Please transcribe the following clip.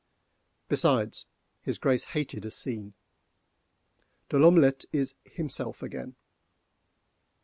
Besides, his Grace hated a scene—De L'Omelette is himself again.